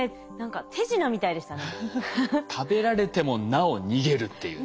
食べられてもなお逃げるっていうね。